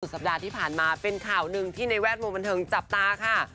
สัปดาห์ที่ผ่านมาเป็นข่าวหนึ่งที่ในแวดวงบันเทิงจับตาค่ะ